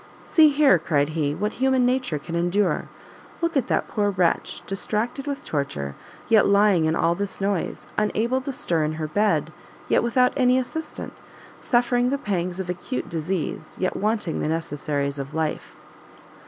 "See here," cried he, "what human nature can endure! look at that poor wretch, distracted with torture, yet lying in all this noise! unable to stir in her bed, yet without any assistant! suffering the pangs of acute disease, yet wanting the necessaries of life!"